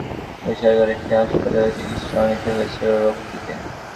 এমনকি আঘাত গুরুতর হওয়ায় বেসরকারি একটি হাসপাতালে চিকিৎসাও নিতে হয়েছিল রতিকে।